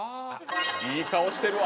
いい顔してるわ！